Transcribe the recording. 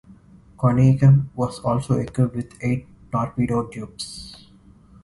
"Conyngham" was also equipped with eight torpedo tubes.